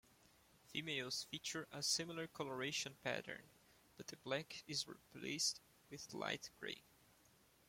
Females feature a similar coloration pattern, but the black is replaced with light grey.